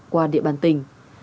qua địa bàn tỉnh